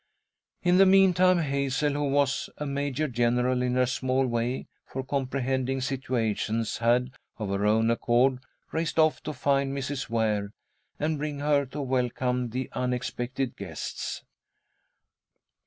In the meantime, Hazel, who was a major general in her small way for comprehending situations, had, of her own accord, raced off to find Mrs. Ware and bring her to welcome the unexpected guests.